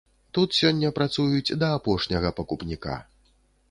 Тут сёння працуюць да апошняга пакупніка.